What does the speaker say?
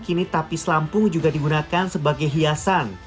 kini tapis lampung juga digunakan sebagai hiasan